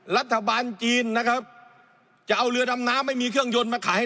รัฐบาลจีนนะครับจะเอาเรือดำน้ำไม่มีเครื่องยนต์มาขาย